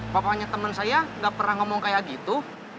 bapaknya temen saya gak pernah ngomong kayak gitu